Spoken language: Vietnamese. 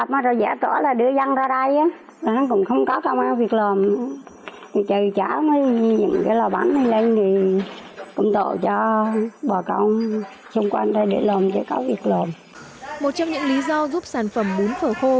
một trong những lý do giúp sản phẩm bún phở khô